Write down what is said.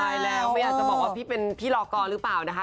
ใช่แล้วไม่อยากจะบอกว่าพี่เป็นพี่รอกอหรือเปล่านะคะ